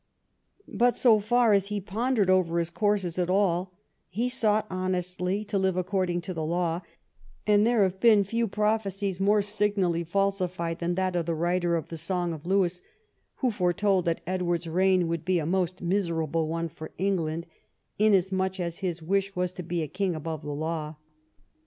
But so far as he pondered over his courses at all, he sought honestly to live accord ing to the law, and there have been few prophecies more signally falsified than that of the writer of the Song of Lewes, who foretold that Edward's reign would be a most miserable one for England, inasmuch as his wish was to be a king above the law.